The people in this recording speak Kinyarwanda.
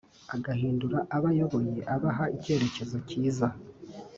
agahindura abo ayoboye abaha icyerecyezo cyiza